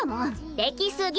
できすぎ！